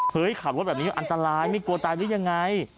ขับรถแบบนี้อันตรายไม่กลัวตายหรือยังไง